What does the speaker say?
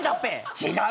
違う。